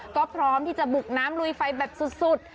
ก็พร้อมที่จะบุกน้ำลุยไฟแบบสุด